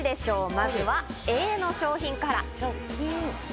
まずはＡの商品から。